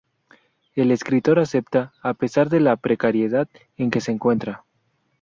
El escritor acepta, a pesar de la precariedad en que se encuentra.